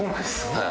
はい。